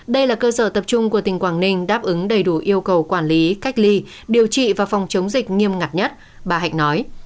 đây là cơ sở tập trung của tỉnh quảng ninh đáp ứng đầy đủ yêu cầu quản lý cách ly điều trị và phòng chống dịch nghiêm ngặt nhất bà hạnh nói